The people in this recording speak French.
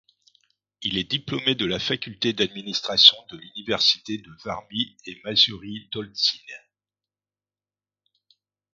Il est diplômé de la faculté d'administration de l'université de Varmie et Mazurie d'Olsztyn.